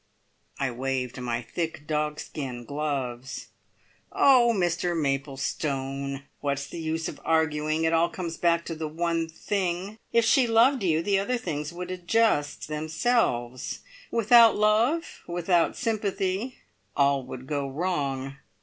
I waved my thick dogskin gloves. "Oh, Mr Maplestone, what is the use of arguing? It all comes back to the one thing. If she loved you the other things would adjust themselves. Without love, without sympathy, all would go wrong."